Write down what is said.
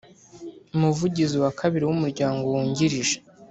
Umuvugizi wa kabiri w’umuryango wungirije